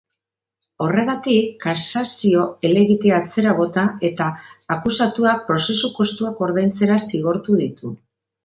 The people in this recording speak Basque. Horregatik, kasazio helegitea atzera bota eta akusatuak prozesu-kostuak ordaintzera zigortu ditu.